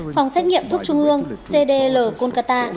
phòng xét nghiệm thuốc trung ương cdl kolkata